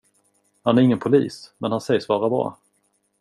Han är ingen polis, men han sägs vara bra.